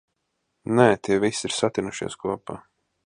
Nē, tie visi ir satinušies kopā.